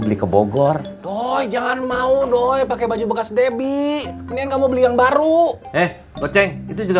beli ke bogor tuh jangan mau dong pakai baju bekas debbie ini kamu beli yang baru eh peceng itu juga